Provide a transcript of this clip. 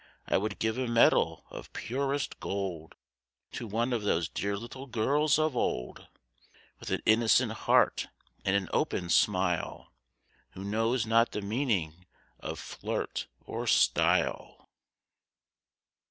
I would give a medal of purest gold To one of those dear little girls of old, With an innocent heart and an open smile, Who knows not the meaning of "flirt" or "style."